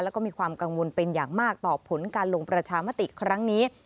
แล้วก็มีความกังวลเป็นอย่างมากต่อผลการลงประชามติครั้งนี้